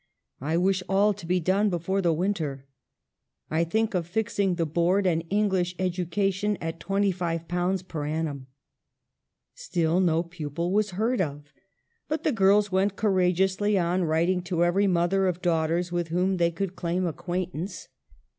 I wish all to be done before the winter. I think of fixing the board and English educa tion at ^25 per annum." Still no pupil was heard of, but the girls went courageously on, writing to every mother of daughters with whom they could claim acquaint rso EMILY BRONTE. ance.